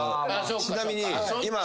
ちなみに。